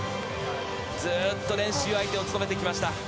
ずっと練習相手を務めてきました。